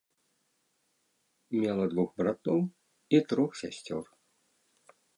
Мела двух братоў і трох сясцёр.